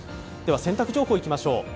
洗濯情報、いきましょう。